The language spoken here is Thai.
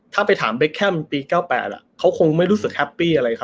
ถ้าไปถามเบสแก้มปีเก้าแปดอ่ะเค้าคงไม่รู้สึกแฮปปี้อะไรครับ